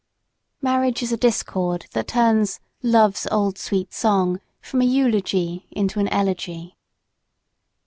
Marriage is a discord that turns "Love's Old Sweet Song" from a eulogy into an elegy.